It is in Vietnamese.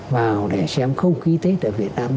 vào để xem không khí tết ở việt nam